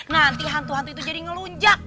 nanti hantu hantu itu jadi ngelunjak